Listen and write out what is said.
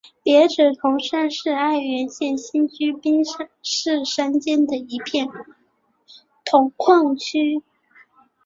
别子铜山是爱媛县新居滨市山间的一片铜矿区。